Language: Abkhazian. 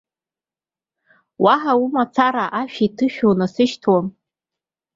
Уаҳа умацара ашәиҭышәи унасышьҭуам!